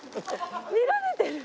見られてる！